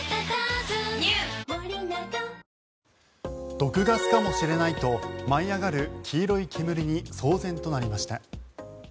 毒ガスかもしれないと舞い上がる黄色い煙に騒然となりました。